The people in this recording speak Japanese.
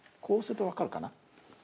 こうすると分かるかな。